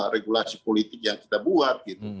regulasi politik yang kita buat